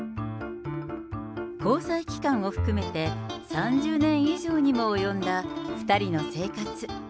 交際期間を含めて３０年以上にも及んだ２人の生活。